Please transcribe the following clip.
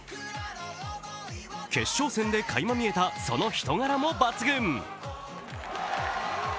決勝戦でかいま見えたその人柄も抜群。